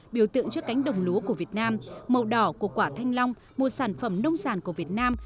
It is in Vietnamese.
biểu tượng cho cánh đồng lúa của việt nam màu đỏ của quả thanh long một sản phẩm nông sản của việt nam